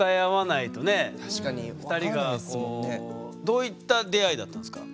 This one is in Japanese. どういった出会いだったんですか？